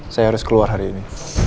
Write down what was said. saya harus keluar hari ini